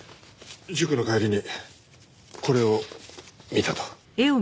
塾の帰りにこれを見たと。